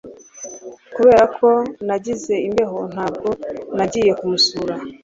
Kubera ko nagize imbeho, ntabwo nagiye kumusura.